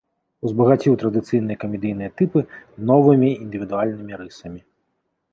Узбагаціў традыцыйныя камедыйныя тыпы новымі, індывідуальнымі рысамі.